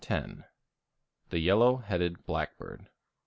_ THE YELLOW HEADED BLACKBIRD.